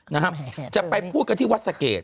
นะครับจะไปพูดกันที่วัดศักดิ์เกรด